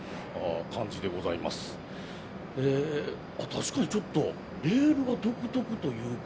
確かにちょっとレールが独特というか。